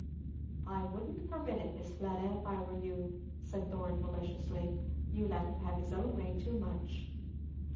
"I wouldn't permit it, Miss Fleda, if I were you," said Thorn maliciously. "You let him have his own way too much."